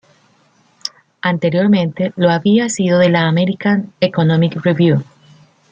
Anteriormente lo había sido de la American Economic Review.